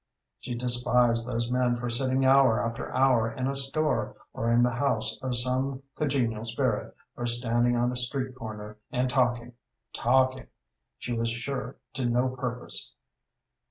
She despised those men for sitting hour after hour in a store, or in the house of some congenial spirit, or standing on a street corner, and talking talking, she was sure, to no purpose.